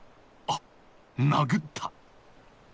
あっ殴った！